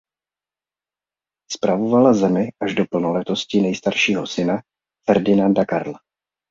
Spravovala zemi až do plnoletosti nejstaršího syna Ferdinanda Karla.